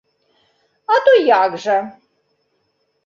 А то як жа.